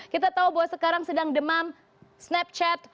kita tahu bahwa sekarang sedang demam snapchat